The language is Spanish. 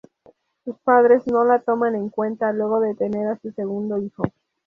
Sus padres no la toman en cuenta luego de tener a su segundo hijo.